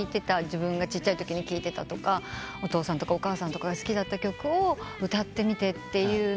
自分がちっちゃいときに聴いてたとかお父さんとかお母さんとかが好きだった曲を歌ってみてと。